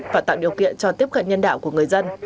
và tạo điều kiện cho tiếp cận nhân đạo của người dân